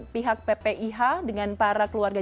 pihak ppih dengan para keluarga